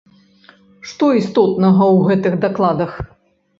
Што істотнага ў гэтых дакладах?